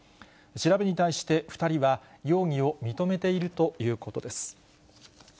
調べに対して、２人は容疑を認めているということです。